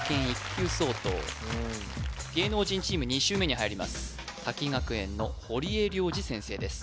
１級相当芸能人チーム２周目に入ります滝学園の堀江亮次先生です